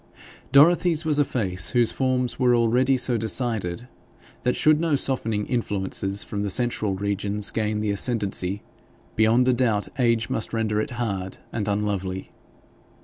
Dorothy's was a face whose forms were already so decided that, should no softening influences from the central regions gain the ascendancy, beyond a doubt age must render it hard and unlovely.